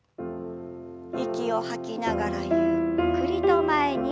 息を吐きながらゆっくりと前に。